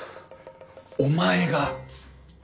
お前が。